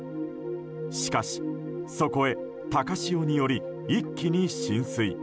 しかし、そこへ高潮により一気に浸水。